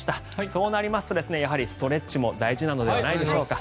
そうなりますとやはりストレッチも大事なのではないでしょうか。